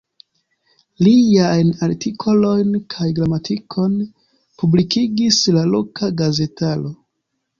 Liajn artikolojn kaj gramatikon publikigis la loka gazetaro.